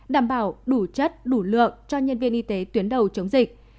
đảm bảo đủ chất đủ lượng cho nhân viên y tế tuyến đầu chống dịch